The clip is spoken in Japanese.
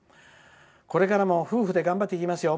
「これからも夫婦で頑張っていきますよ。